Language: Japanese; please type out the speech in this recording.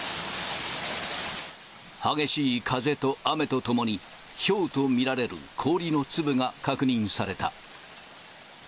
激しい風と雨とともに、ひょうと見られる氷の粒が確認された。